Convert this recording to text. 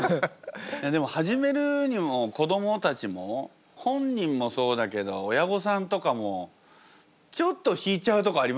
でも始めるにも子どもたちも本人もそうだけど親御さんとかもちょっと引いちゃうとこありますよね。